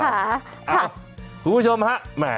คุณผู้ชมครับ